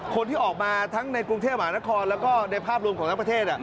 คนที่ออกมาทั้งในกรุงเทพหมานครแล้วก็ในภาพรวมของทั้งประเทศ